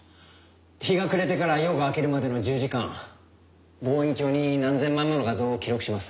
日が暮れてから夜が明けるまでの１０時間望遠鏡に何千枚もの画像を記録します。